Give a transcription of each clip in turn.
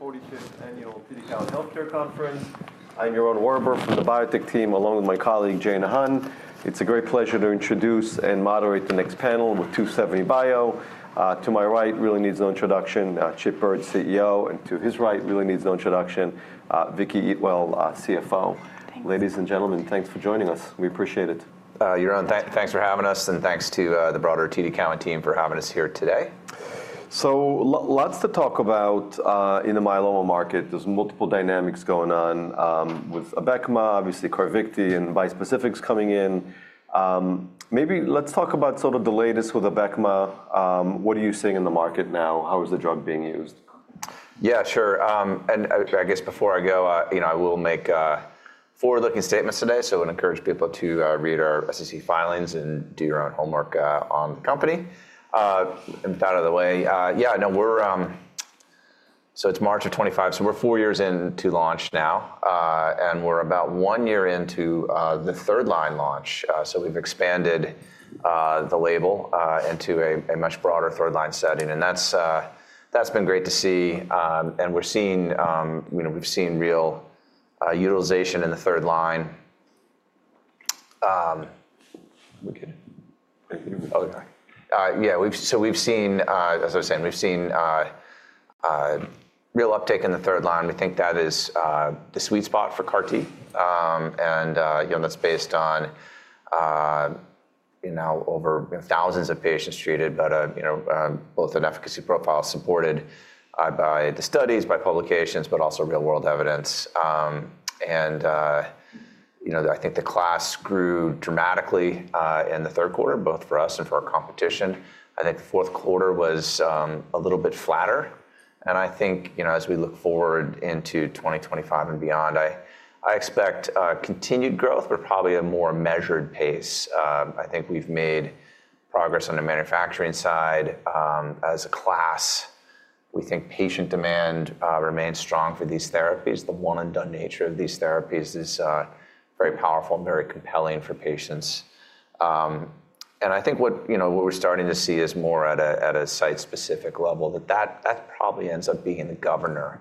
45th Annual TD Cowen Healthcare Conference. I'm your own Yaron Werber from the biotech team, along with my colleague Jane Hun. It's a great pleasure to introduce and moderate the next panel with 2seventy bio. To my right, really needs no introduction, Chip Baird, CEO, and to his right, really needs no introduction, Vicki Eatwell, CFO. Thank you. Ladies and gentlemen, thanks for joining us. We appreciate it. Yaron, thanks for having us, and thanks to the broader TD Cowen team for having us here today. Lots to talk about in the myeloma market. There's multiple dynamics going on with Abecma, obviously Carvykti, and bispecifics coming in. Maybe let's talk about sort of the latest with Abecma. What are you seeing in the market now? How is the drug being used? Yeah, sure. I guess before I go, I will make forward-looking statements today, so I would encourage people to read our SEC filings and do your own homework on the company. Out of the way, yeah, no, we're, so it's March of 2025, so we're four years into launch now, and we're about one year into the third-line launch. We have expanded the label into a much broader third-line setting, and that's been great to see. We have seen real utilization in the third-line. We could. Oh, yeah. We've seen, as I was saying, we've seen real uptake in the third-line. We think that is the sweet spot for CAR-T, and that's based on over thousands of patients treated, but both an efficacy profile supported by the studies, by publications, but also real-world evidence. I think the class grew dramatically in the third quarter, both for us and for our competition. I think the fourth quarter was a little bit flatter. I think as we look forward into 2025 and beyond, I expect continued growth, but probably a more measured pace. I think we've made progress on the manufacturing side. As a class, we think patient demand remains strong for these therapies. The one-and-done nature of these therapies is very powerful and very compelling for patients. I think what we're starting to see is more at a site-specific level, that that probably ends up being the governor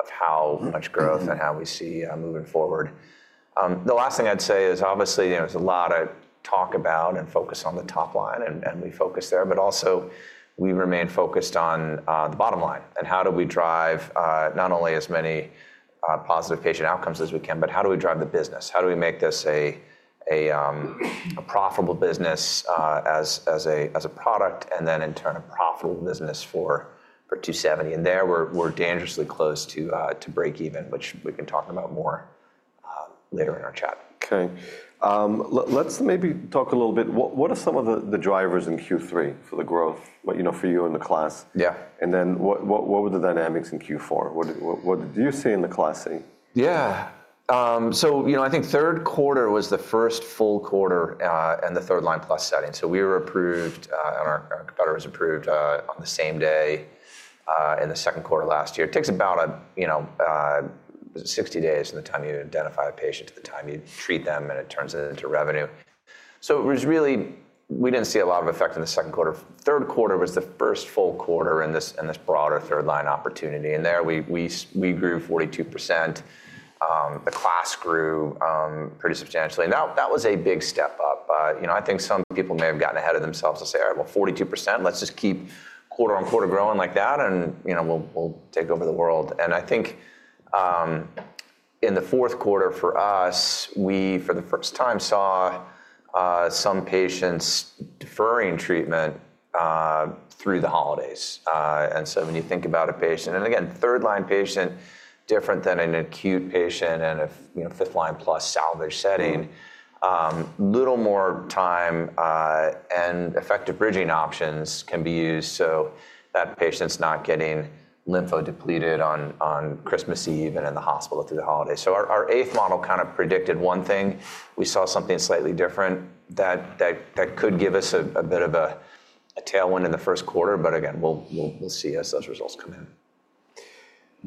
of how much growth and how we see moving forward. The last thing I'd say is, obviously, there's a lot of talk about and focus on the top line, and we focus there, but also we remain focused on the bottom line. How do we drive not only as many positive patient outcomes as we can, but how do we drive the business? How do we make this a profitable business as a product and then, in turn, a profitable business for 2seventy bio? There we're dangerously close to break even, which we can talk about more later in our chat. Okay. Let's maybe talk a little bit. What are some of the drivers in Q3 for the growth, for you and the class? Yeah. What were the dynamics in Q4? What do you see in the class? Yeah. I think third quarter was the first full quarter in the third-line plus setting. We were approved, and our competitor was approved on the same day in the second quarter last year. It takes about 60 days from the time you identify a patient to the time you treat them, and it turns into revenue. We did not see a lot of effect in the second quarter. Third quarter was the first full quarter in this broader third-line opportunity. There we grew 42%. The class grew pretty substantially. That was a big step up. I think some people may have gotten ahead of themselves to say, "All right, well, 42%, let's just keep quarter on quarter growing like that, and we'll take over the world." I think in the fourth quarter for us, we for the first time saw some patients deferring treatment through the holidays. When you think about a patient, and again, third-line patient, different than an acute patient in a fifth-line plus salvage setting, a little more time and effective bridging options can be used so that patient's not getting lymphodepleted on Christmas Eve and in the hospital through the holidays. Our eighth model kind of predicted one thing. We saw something slightly different that could give us a bit of a tailwind in the first quarter, but again, we'll see as those results come in.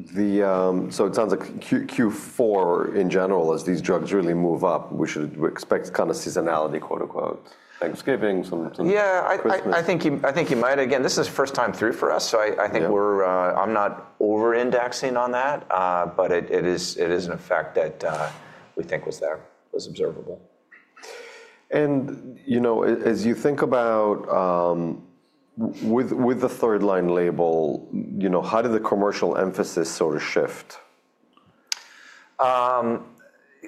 It sounds like Q4 in general, as these drugs really move up, we should expect kind of seasonality, quote unquote, Thanksgiving, some. Yeah, I think you might. Again, this is first time through for us, so I think we're not over-indexing on that, but it is an effect that we think was there, was observable. As you think about with the third-line label, how did the commercial emphasis sort of shift?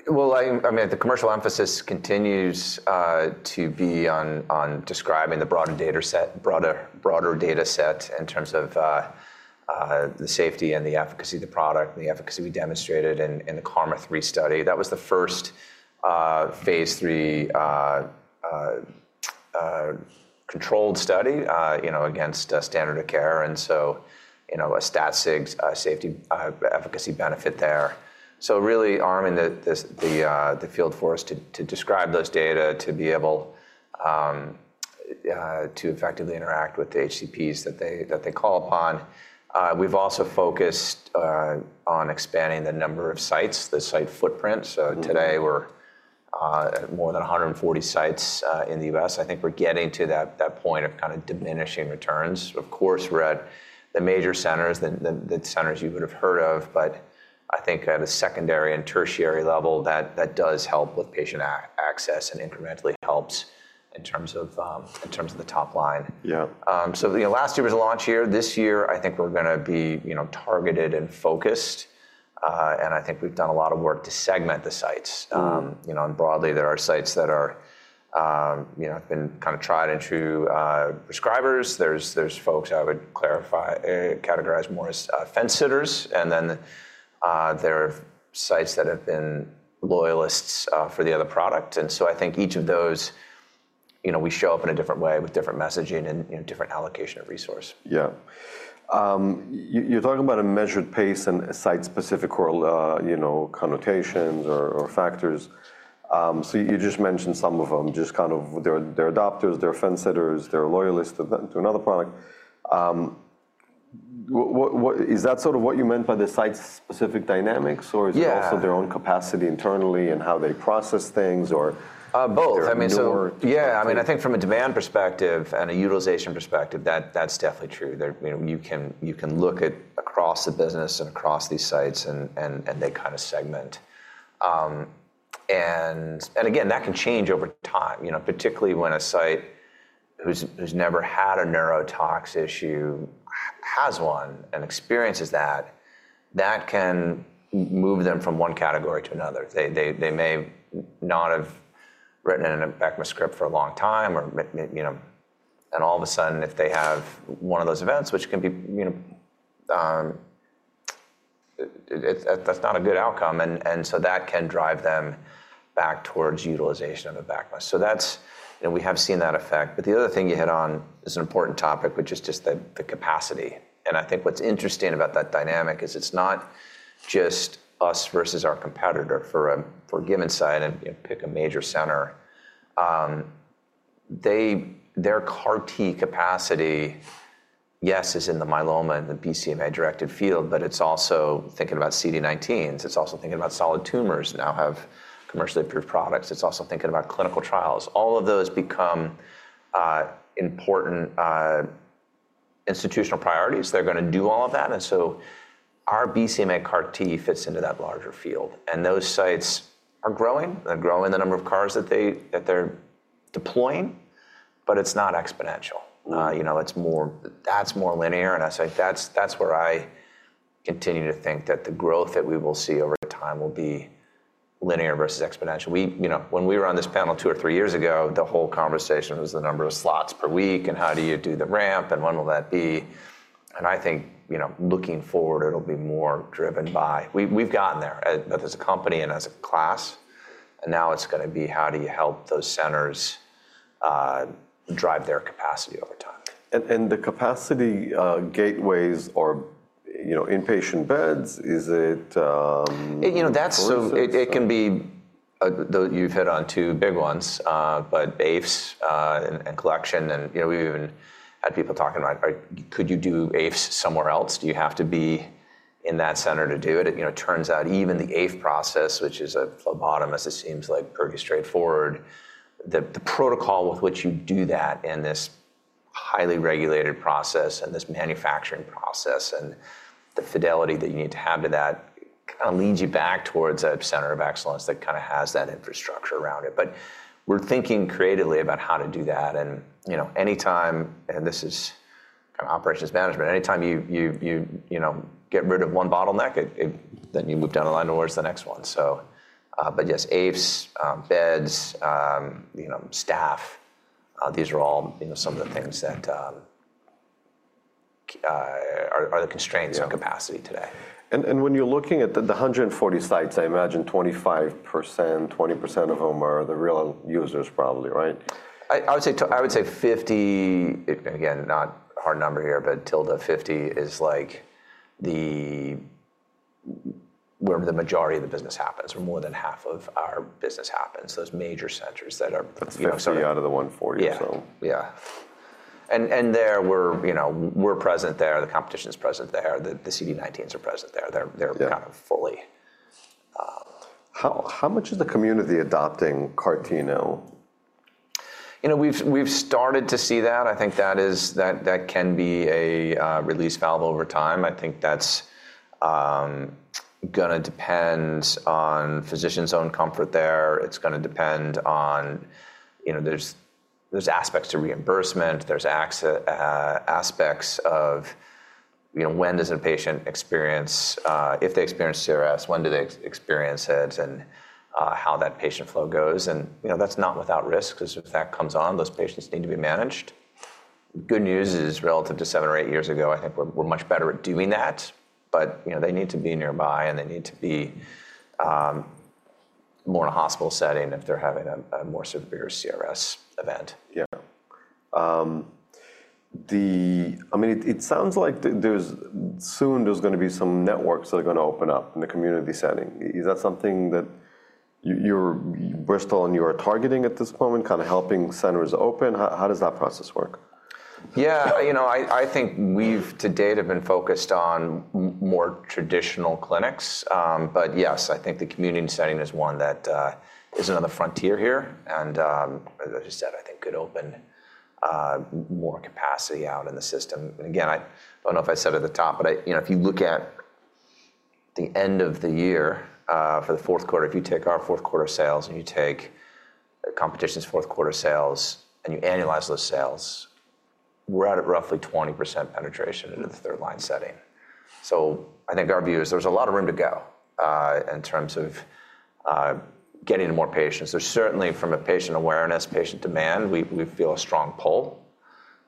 I mean, the commercial emphasis continues to be on describing the broader data set in terms of the safety and the efficacy of the product and the efficacy we demonstrated in the KarMMa-3 study. That was the first phase III controlled study against standard of care. A stat-sig safety efficacy benefit there. Really arming the field for us to describe those data to be able to effectively interact with the HCPs that they call upon. We've also focused on expanding the number of sites, the site footprint. Today we're at more than 140 sites in the U.S. I think we're getting to that point of kind of diminishing returns. Of course, we're at the major centers, the centers you would have heard of, but I think at a secondary and tertiary level, that does help with patient access and incrementally helps in terms of the top line. Yeah. Last year was a launch year. This year, I think we're going to be targeted and focused, and I think we've done a lot of work to segment the sites. Broadly, there are sites that have been kind of tried and true prescribers. There's folks I would categorize more as fence-sitters, and then there are sites that have been loyalists for the other product. I think each of those, we show up in a different way with different messaging and different allocation of resource. Yeah. You're talking about a measured pace and site-specific connotations or factors. You just mentioned some of them, just kind of they're adopters, they're fence-sitters, they're loyalists to another product. Is that sort of what you meant by the site-specific dynamics, or is it also their own capacity internally and how they process things, or both? Both. I mean, so yeah, I mean, I think from a demand perspective and a utilization perspective, that's definitely true. You can look across the business and across these sites, and they kind of segment. Again, that can change over time, particularly when a site who's never had a neurotox issue has one and experiences that, that can move them from one category to another. They may not have written an Abecma script for a long time, and all of a sudden, if they have one of those events, which can be that's not a good outcome, that can drive them back towards utilization of Abecma. We have seen that effect. The other thing you hit on is an important topic, which is just the capacity. I think what's interesting about that dynamic is it's not just us versus our competitor. For a given site, and pick a major center, their CAR-T capacity, yes, is in the myeloma and the BCMA-directed field, but it's also thinking about CD19s. It's also thinking about solid tumors now have commercially approved products. It's also thinking about clinical trials. All of those become important institutional priorities. They're going to do all of that. Our BCMA CAR-T fits into that larger field. Those sites are growing. They're growing the number of CARs that they're deploying, but it's not exponential. That's more linear. I say that's where I continue to think that the growth that we will see over time will be linear versus exponential. When we were on this panel two or three years ago, the whole conversation was the number of slots per week and how do you do the ramp and when will that be. I think looking forward, it'll be more driven by we've gotten there both as a company and as a class, and now it's going to be how do you help those centers drive their capacity over time. The capacity gateways or inpatient beds, is it. That's sort of it can be you've hit on two big ones, but apheresis and collection. We even had people talking about, could you do apheresis somewhere else? Do you have to be in that center to do it? It turns out even the apheresis process, which is a phlebotomist, it seems like pretty straightforward. The protocol with which you do that in this highly regulated process and this manufacturing process and the fidelity that you need to have to that kind of leads you back towards a center of excellence that kind of has that infrastructure around it. We're thinking creatively about how to do that. Anytime, and this is kind of operations management, anytime you get rid of one bottleneck, then you move down the line towards the next one. Yes, apheresis, beds, staff, these are all some of the things that are the constraints on capacity today. When you're looking at the 140 sites, I imagine 25%, 20% of them are the real users probably, right? I would say 50, again, not a hard number here, but tilde 50 is like where the majority of the business happens or more than half of our business happens, those major centers that are. That's pretty out of the 140, so. Yeah. Yeah. There, we're present there. The competition's present there. The CD19s are present there. They're kind of fully. How much is the community adopting CAR-T now? We've started to see that. I think that can be a release valve over time. I think that's going to depend on physicians' own comfort there. It's going to depend on there's aspects to reimbursement. There's aspects of when does a patient experience, if they experience CRS, when do they experience it, and how that patient flow goes. That's not without risk because if that comes on, those patients need to be managed. Good news is relative to seven or eight years ago, I think we're much better at doing that, but they need to be nearby and they need to be more in a hospital setting if they're having a more severe CRS event. Yeah. I mean, it sounds like soon there's going to be some networks that are going to open up in the community setting. Is that something that you, Bristol, and you're targeting at this moment, kind of helping centers open? How does that process work? Yeah. I think we've to date have been focused on more traditional clinics, but yes, I think the community setting is one that is another frontier here. As I just said, I think could open more capacity out in the system. I don't know if I said it at the top, but if you look at the end of the year for the fourth quarter, if you take our fourth quarter sales and you take competition's fourth quarter sales and you annualize those sales, we're at roughly 20% penetration into the third-line setting. I think our view is there's a lot of room to go in terms of getting more patients. There's certainly from a patient awareness, patient demand, we feel a strong pull.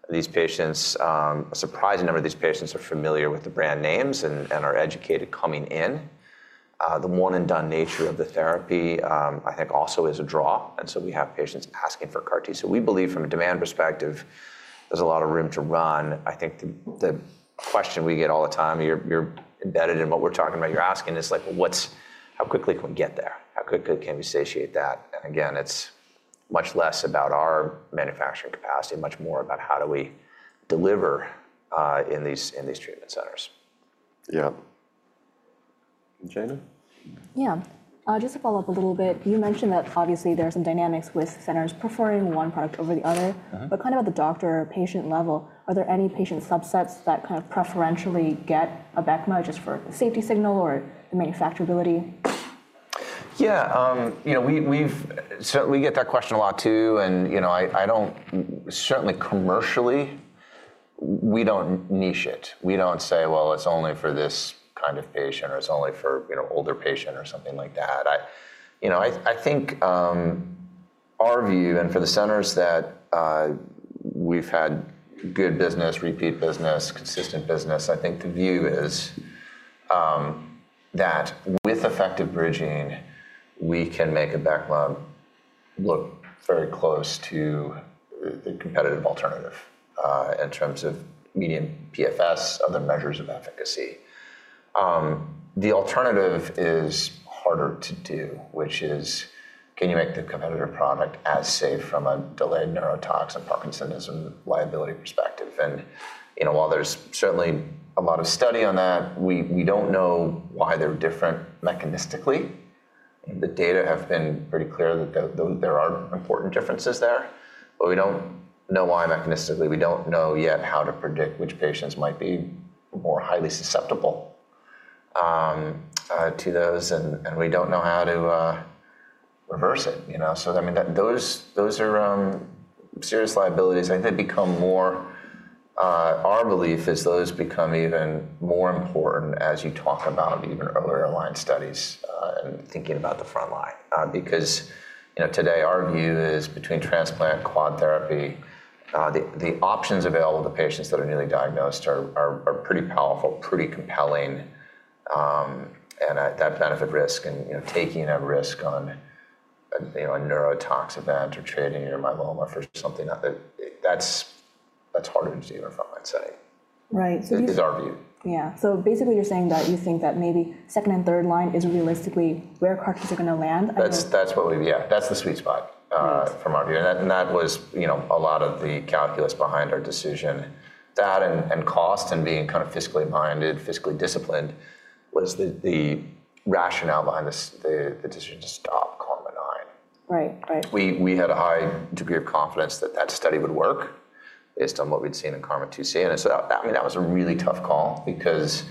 These patients, a surprising number of these patients are familiar with the brand names and are educated coming in. The one-and-done nature of the therapy, I think, also is a draw. We have patients asking for CAR-T. We believe from a demand perspective, there's a lot of room to run. I think the question we get all the time, you're embedded in what we're talking about, you're asking is like, how quickly can we get there? How quickly can we satiate that? Again, it's much less about our manufacturing capacity, much more about how do we deliver in these treatment centers. Yeah. Jane? Yeah. Just to follow up a little bit, you mentioned that obviously there are some dynamics with centers preferring one product over the other, but kind of at the doctor-patient level, are there any patient subsets that kind of preferentially get Abecma just for the safety signal or the manufacturability? Yeah. We get that question a lot too. I don't, certainly commercially, we don't niche it. We don't say, "Well, it's only for this kind of patient," or, "It's only for older patient," or something like that. I think our view, and for the centers that we've had good business, repeat business, consistent business, I think the view is that with effective bridging, we can make Abecma look very close to the competitive alternative in terms of median PFS, other measures of efficacy. The alternative is harder to do, which is, can you make the competitor product as safe from a delayed neurotox and Parkinsonism liability perspective? While there's certainly a lot of study on that, we don't know why they're different mechanistically. The data have been pretty clear that there are important differences there, but we don't know why mechanistically. We don't know yet how to predict which patients might be more highly susceptible to those, and we don't know how to reverse it. I mean, those are serious liabilities. I think they become more, our belief is those become even more important as you talk about even earlier aligned studies and thinking about the front line because today our view is between transplant, quad therapy, the options available to patients that are newly diagnosed are pretty powerful, pretty compelling, and that benefit risk and taking a risk on a neurotox event or treating your myeloma for something, that's harder to do in a front line setting. Right. That is our view. Yeah. So basically you're saying that you think that maybe second and third-line is realistically where CAR-Ts are going to land? That's what we yeah, that's the sweet spot from our view. That was a lot of the calculus behind our decision. That and cost and being kind of fiscally minded, fiscally disciplined was the rationale behind the decision to stop KarMMa-9. Right. Right. We had a high degree of confidence that that study would work based on what we'd seen in KarMMa-2C. I mean, that was a really tough call because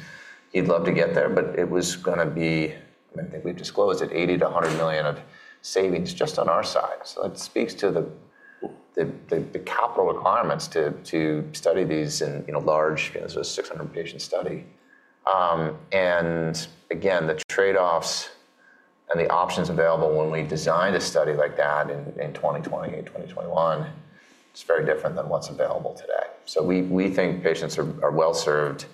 he'd love to get there, but it was going to be, I think we've disclosed it, $80 million-$100 million of savings just on our side. That speaks to the capital requirements to study these in large, it was a 600-patient study. Again, the trade-offs and the options available when we designed a study like that in 2020, 2021, it's very different than what's available today. We think patients are well served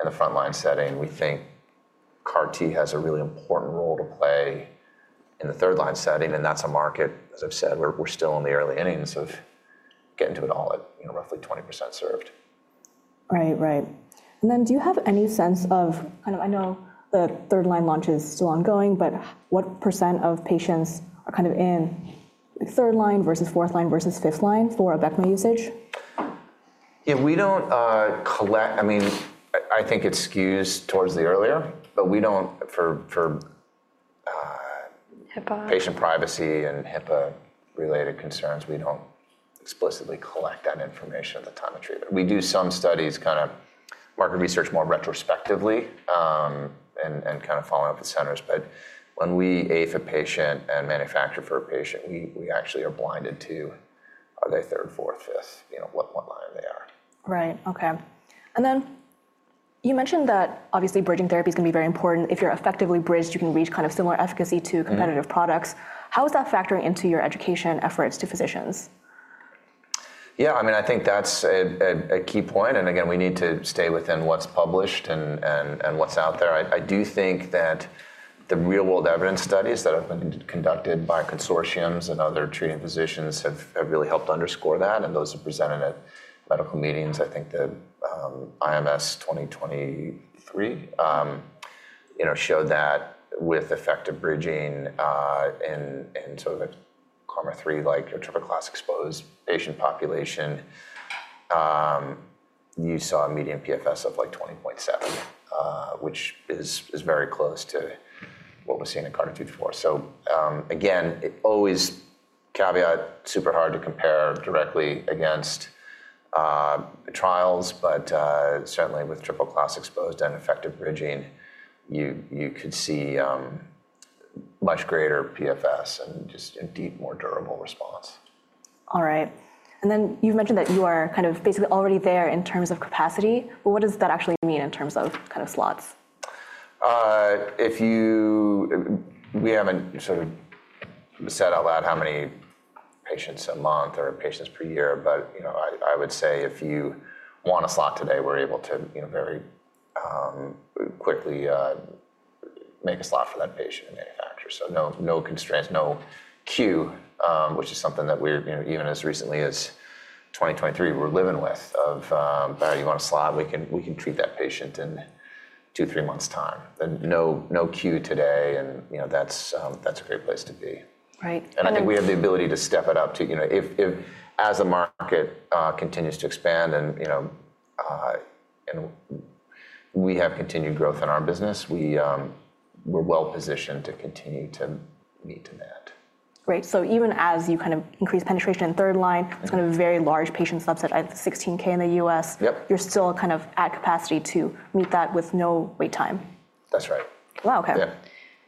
in the front line setting. We think CAR-T has a really important role to play in the third-line setting, and that's a market, as I've said, we're still in the early innings of getting to it all at roughly 20% served. Right. Right. Do you have any sense of kind of, I know the third-line launch is still ongoing, but what percent of patients are kind of in third-line versus fourth-line versus fifth-line for Abecma usage? Yeah. We do not collect, I mean, I think it skews towards the earlier, but we do not for. HIPAA. Patient privacy and HIPAA-related concerns, we don't explicitly collect that information at the time of treatment. We do some studies, kind of market research more retrospectively and kind of following up with centers, but when we apheresis a patient and manufacture for a patient, we actually are blinded to are they third, fourth, fifth, what line they are. Right. Okay. You mentioned that obviously bridging therapy is going to be very important. If you're effectively bridged, you can reach kind of similar efficacy to competitive products. How is that factoring into your education efforts to physicians? Yeah. I mean, I think that's a key point. Again, we need to stay within what's published and what's out there. I do think that the real-world evidence studies that have been conducted by consortiums and other treating physicians have really helped underscore that. Those are presented at medical meetings. I think the IMS 2023 showed that with effective bridging in sort of a KarMMa-3 like a triple-class exposed patient population, you saw a median PFS of 20.7, which is very close to what was seen in CARTITUDE-4. Again, always caveat, super hard to compare directly against trials, but certainly with triple-class exposed and effective bridging, you could see much greater PFS and just a deep, more durable response. All right. You mentioned that you are kind of basically already there in terms of capacity. What does that actually mean in terms of kind of slots? We have not sort of said out loud how many patients a month or patients per year, but I would say if you want a slot today, we are able to very quickly make a slot for that patient and manufacture. No constraints, no queue, which is something that even as recently as 2023, we were living with of, "You want a slot? We can treat that patient in two, three months' time." No queue today, and that is a great place to be. Right. I think we have the ability to step it up too as the market continues to expand and we have continued growth in our business, we're well positioned to continue to meet demand. Great. Even as you kind of increase penetration in third-line, it's kind of a very large patient subset at 16,000 in the U.S., you're still kind of at capacity to meet that with no wait time. That's right. Wow. Okay. Yeah.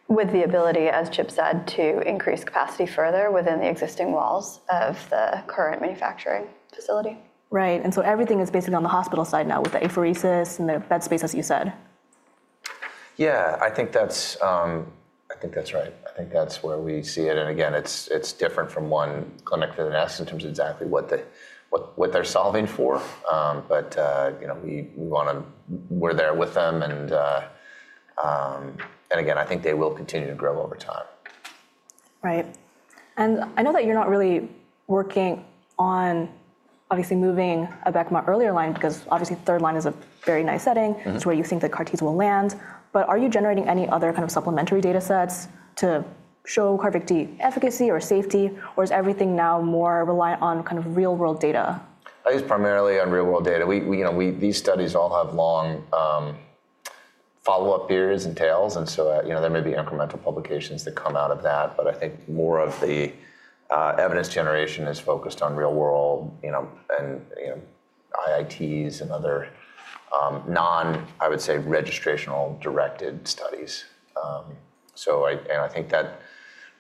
With the ability, as Chip said, to increase capacity further within the existing walls of the current manufacturing facility. Right. Everything is basically on the hospital side now with the apheresis and the bed space, as you said. Yeah. I think that's right. I think that's where we see it. Again, it's different from one clinic to the next in terms of exactly what they're solving for, but we want to—we're there with them. Again, I think they will continue to grow over time. Right. I know that you're not really working on obviously moving Abecma earlier line because obviously third-line is a very nice setting to where you think that CAR-Ts will land, but are you generating any other kind of supplementary data sets to show Carvykti efficacy or safety, or is everything now more reliant on kind of real-world data? It's primarily on real-world data. These studies all have long follow-up periods and tails, and there may be incremental publications that come out of that, but I think more of the evidence generation is focused on real-world and IITs and other non, I would say, registrational directed studies. I think that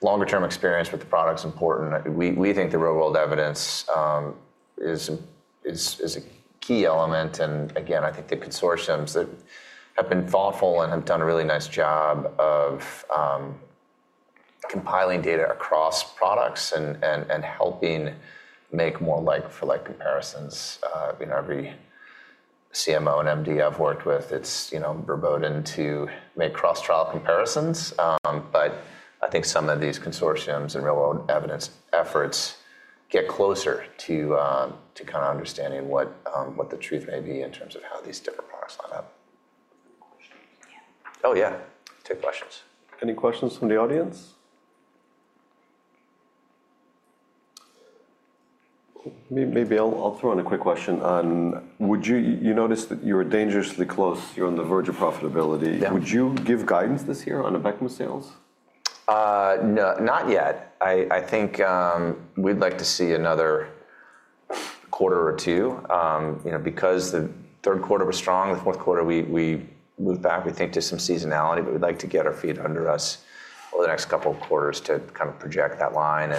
longer-term experience with the product is important. We think the real-world evidence is a key element. Again, I think the consortiums that have been thoughtful and have done a really nice job of compiling data across products and helping make more like-for-like comparisons. Every CMO and MD I've worked with, it's verboten to make cross-trial comparisons, but I think some of these consortiums and real-world evidence efforts get closer to kind of understanding what the truth may be in terms of how these different products line up. Good question. Oh, yeah. Take questions. Any questions from the audience? Maybe I'll throw in a quick question. You noticed that you're dangerously close. You're on the verge of profitability. Would you give guidance this year on Abecma sales? Not yet. I think we'd like to see another quarter or two because the third quarter was strong. The fourth quarter, we moved back, we think, to some seasonality, but we'd like to get our feet under us over the next couple of quarters to kind of project that line.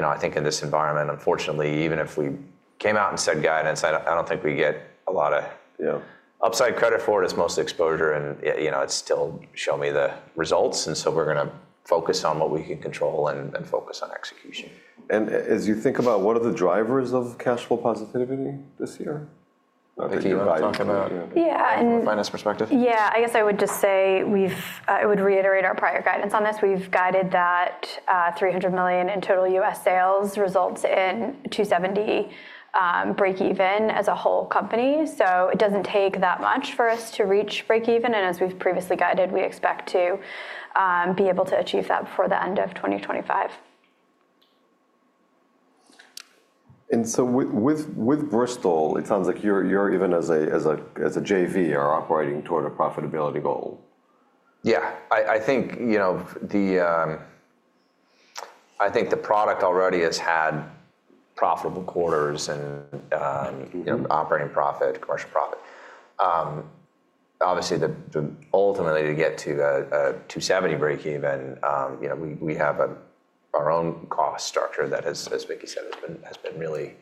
I think in this environment, unfortunately, even if we came out and said guidance, I don't think we get a lot of upside credit for it. It's mostly exposure, and it's still show me the results. We are going to focus on what we can control and focus on execution. As you think about what are the drivers of cash flow positivity this year? I think you were talking about. Yeah. From a finance perspective. Yeah. I guess I would just say we've, I would reiterate our prior guidance on this. We've guided that $300 million in total U.S. sales results in 2seventy break-even as a whole company. So it doesn't take that much for us to reach break-even. And as we've previously guided, we expect to be able to achieve that before the end of 2025. With Bristol, it sounds like you're even as a JV are operating toward a profitability goal. Yeah. I think the product already has had profitable quarters and operating profit, commercial profit. Obviously, ultimately, to get to a 2seventy break-even, we have our own cost structure that, as Vicki said, has been really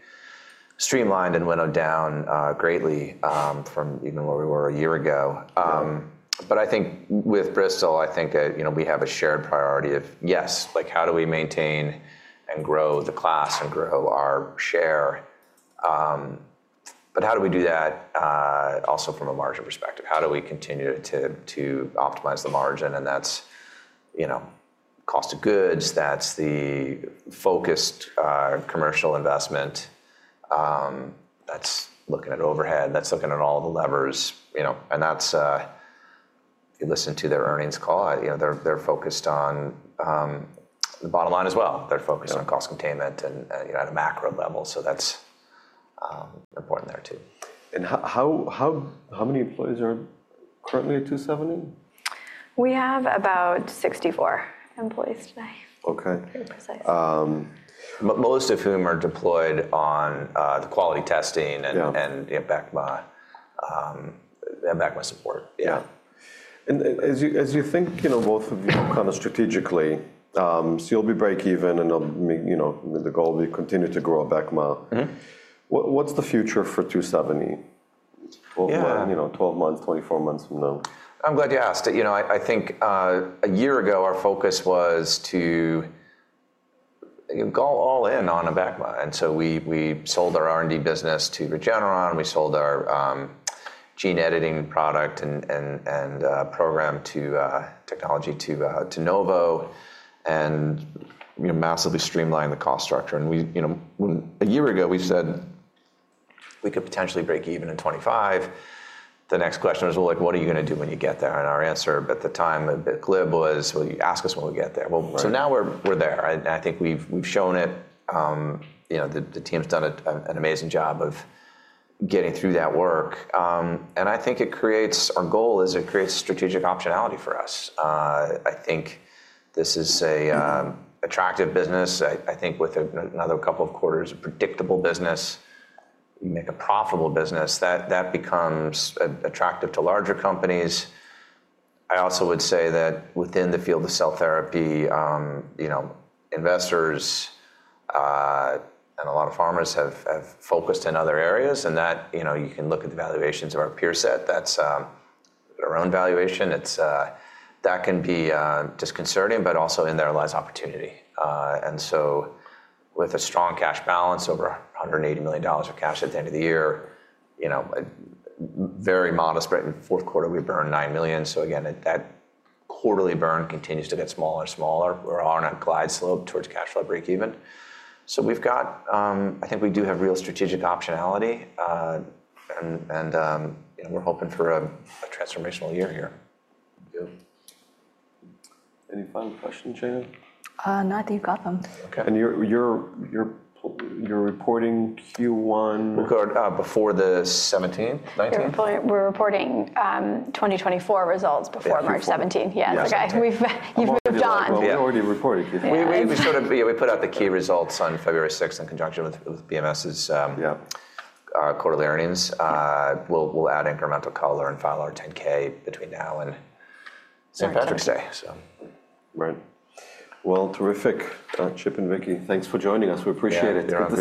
streamlined and went down greatly from even where we were a year ago. I think with Bristol, I think we have a shared priority of, yes, how do we maintain and grow the class and grow our share, but how do we do that also from a margin perspective? How do we continue to optimize the margin? That is cost of goods. That is the focused commercial investment. That is looking at overhead. That is looking at all the levers. You listen to their earnings call. They are focused on the bottom line as well. They are focused on cost containment at a macro level. That is important there too. How many employees are currently at 2seventy? We have about 64 employees today. Okay. Very precise. Most of whom are deployed on the quality testing and Abecma support. Yeah. As you think both of you kind of strategically, you'll be break-even and the goal will be to continue to grow Abecma. What's the future for 2seventy? Twelve months, twenty-four months from now? I'm glad you asked. I think a year ago, our focus was to go all in on Abecma. We sold our R&D business to Regeneron. We sold our gene editing product and program technology to Novo and massively streamlined the cost structure. A year ago, we said we could potentially break even in 2025. The next question was, "What are you going to do when you get there?" Our answer at the time at 2seventy bio was, "You ask us when we get there." Now we're there. I think we've shown it. The team's done an amazing job of getting through that work. I think it creates—our goal is it creates strategic optionality for us. I think this is an attractive business. I think with another couple of quarters, a predictable business, you make a profitable business. That becomes attractive to larger companies. I also would say that within the field of cell therapy, investors and a lot of pharmas have focused in other areas. You can look at the valuations of our peer set. That is our own valuation. That can be disconcerting, but also in there lies opportunity. With a strong cash balance, over $180 million of cash at the end of the year, very modest break-even. Fourth quarter, we burned $9 million. That quarterly burn continues to get smaller and smaller. We are on a glide slope towards cash flow break-even. I think we do have real strategic optionality, and we are hoping for a transformational year here. Yeah. Any final questions, Jane? Not that you've got them. Okay. You're reporting Q1. Before the 2017, 2019? We're reporting 2024 results before March 17. Yeah. Okay. You've moved on. We already reported. We put out the key results on February 6th in conjunction with BMS's quarterly earnings. We'll add incremental color and file our 10K between now and St. Patrick's Day. Right. Terrific. Chip and Vicki, thanks for joining us. We appreciate it.